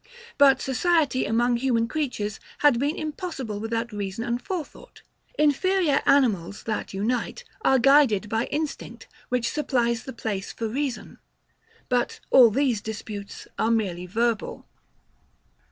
But society among human creatures had been impossible without reason and forethought. Inferior animals, that unite, are guided by instinct, which supplies the place for reason. But all these disputes are merely verbal.